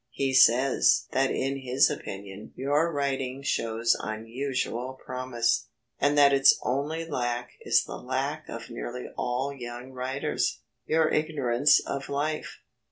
He says that in his opinion your writing shows unusual promise, and that its only lack is the lack of nearly all young writers, your ignorance of life.